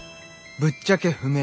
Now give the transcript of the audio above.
「ぶっちゃけ不明」。